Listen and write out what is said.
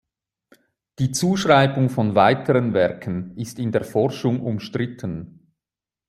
Die Zuschreibung von weiteren Werken ist in der Forschung umstritten.